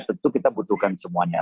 tentu kita butuhkan semuanya